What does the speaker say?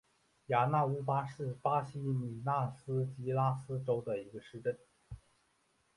雅纳乌巴是巴西米纳斯吉拉斯州的一个市镇。